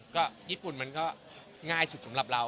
ก็ญี่ปุ่นมันก็ง่ายสุดสำหรับเรา